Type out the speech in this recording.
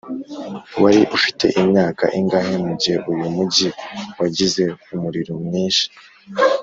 wari ufite imyaka ingahe mugihe uyu mujyi wagize umuriro mwinshi?